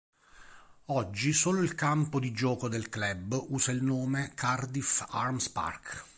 Oggi solo il campo di gioco del club usa il nome Cardiff Arms Park.